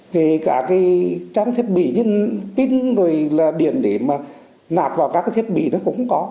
kể cả cái trang thiết bị như pin rồi là điện để mà nạp vào các cái thiết bị nó cũng không có